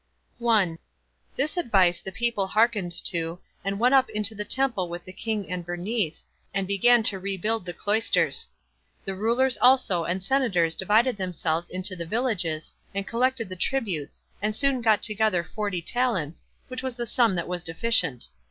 1. This advice the people hearkened to, and went up into the temple with the king and Bernice, and began to rebuild the cloisters; the rulers also and senators divided themselves into the villages, and collected the tributes, and soon got together forty talents, which was the sum that was deficient.